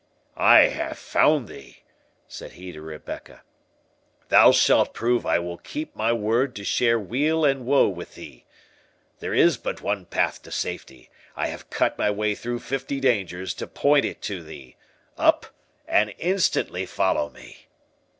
"I have found thee," said he to Rebecca; "thou shalt prove I will keep my word to share weal and woe with thee—There is but one path to safety, I have cut my way through fifty dangers to point it to thee—up, and instantly follow me!"